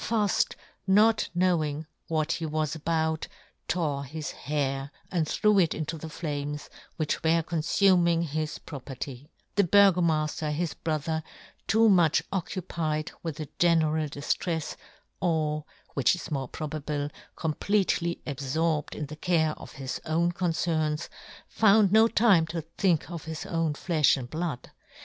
Fuft, not knowing what he was about, tore his hair and threw it into the flames, which were con fuming his property ; the Burgo mafter, his brother, too much oc cupied with the general diftrefs, or, which is more probable, completely abforbed in the care of his own con cerns, found no time to think of his own flefh and blood.